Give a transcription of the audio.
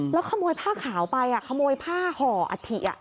แล้วขโมยผ้าขาวไปขโมยผ้าห่ออัฐิ